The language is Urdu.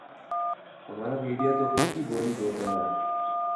ہمارا میڈیا تو انکی بولی بول رہا ۔